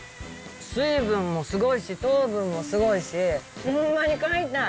水分もスゴイし糖分もスゴイしホンマに買いたい。